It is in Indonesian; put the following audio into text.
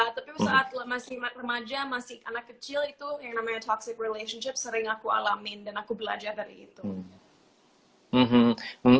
tapi saat masih remaja masih anak kecil itu yang namanya toxic relationship sering aku alamin dan aku belajar dari itu